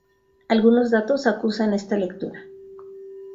Algunos datos acusan esta lectura.